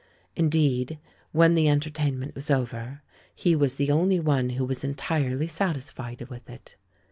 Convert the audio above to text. Indeed, when the entertainment was over, he was the only one who was entirely satisfied with it.